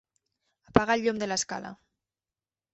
Apaga el llum de l'escala.